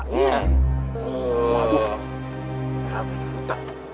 waduh seratus juta